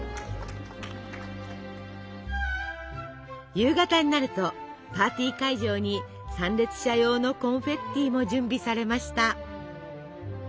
夕方になるとパーティー会場に参列者用のコンフェッティも準備されました。